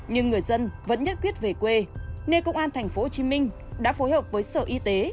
nhưng người dân vẫn nhất quyết về quê nơi công an thành phố hồ chí minh đã phối hợp với sở y tế